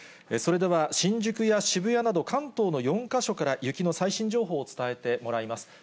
それでは新宿や渋谷など、関東の４か所から雪の最新情報を伝えてもらいます。